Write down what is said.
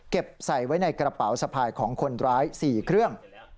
ใส่ไว้ในกระเป๋าสะพายของคนร้าย๔เครื่อง